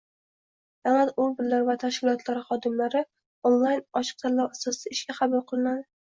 Davlat organlari va tashkilotlari xodimlari onlayn ochiq tanlov asosida ishga qabul qilinadi